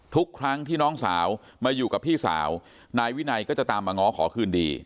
ทุกครั้งที่น้องสาวมาอยู่กับพี่สาวนายวินัยก็จะตามมาง้อขอคืนดี